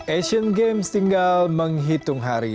asian games tinggal menghitung hari